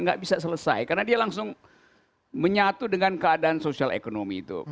nggak bisa selesai karena dia langsung menyatu dengan keadaan sosial ekonomi itu